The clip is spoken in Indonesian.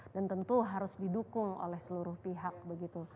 dan tentu harus didukung oleh seluruh pihak begitu